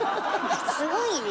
すごいね。